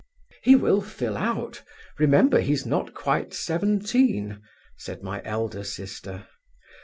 "'He will fill out. Remember, he's not quite seventeen,' said my elder sister.